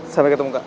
sampai ketemu kak